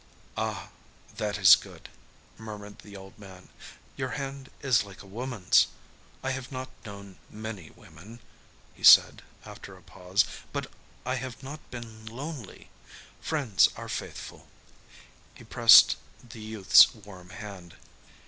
"Ah, that is good," murmured the old man. "Your hand is like a woman's. I have not known many women," he said, after a pause.... "But I have not been lonely. Friends are faithful" he pressed the youth's warm hand.